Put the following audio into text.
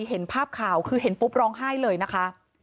เห็นภาพข่าวคือเห็นปุ๊บร้องไห้เลยนะคะ